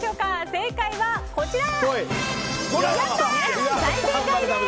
正解はこちら。